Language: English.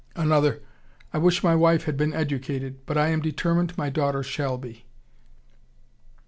Another, 'I wish my wife had been educated, but I am determined my daughter shall be.